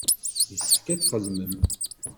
Yessefk ad txedmem.